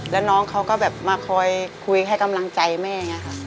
แล้วน้องเขาก็แบบมาคอยคุยให้กำลังใจแม่อย่างนี้ค่ะ